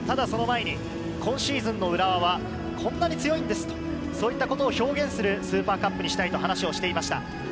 その前に今シーズンの浦和はこんなに強いですと、そういったことを表現するスーパーカップにしたいと話していました。